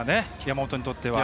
山本にとっては。